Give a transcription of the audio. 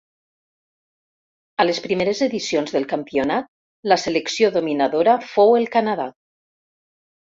A les primeres edicions del campionat la selecció dominadora fou el Canadà.